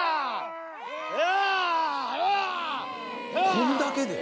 これだけで？